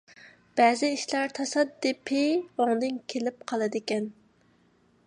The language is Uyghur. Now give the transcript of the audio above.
بەزى ئىشلار تاسادىپىي ئوڭدىن كېلىپ قالىدىكەن.